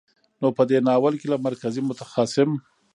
نو په دې ناول کې له مرکزي، متخاصم،